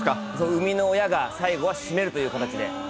生みの親が最後は締めるという形で。